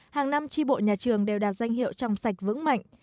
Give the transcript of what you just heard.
hàng năm tri bộ nhà trường đều đạt danh hiệu trong sạch vững mạnh